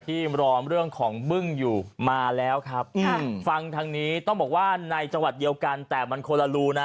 ที่รอเรื่องของบึ้งอยู่มาแล้วครับฟังทางนี้ต้องบอกว่าในจังหวัดเดียวกันแต่มันคนละรูนะ